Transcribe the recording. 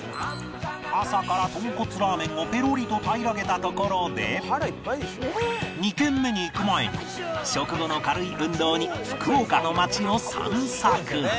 朝からとんこつラーメンをペロリと平らげたところで２軒目に行く前に食後の軽い運動に福岡の街を散策